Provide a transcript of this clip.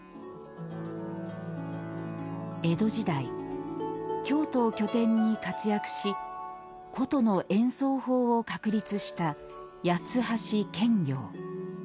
江戸時代京都を拠点に活躍し箏の演奏法を確立した八橋検校。